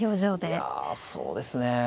いやそうですね。